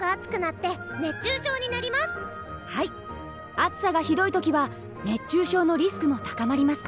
暑さがひどい時は熱中症のリスクも高まります。